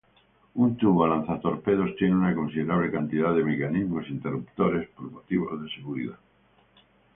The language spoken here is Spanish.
Un tubo lanzatorpedos tiene una considerable cantidad de mecanismos interruptores por motivos de seguridad.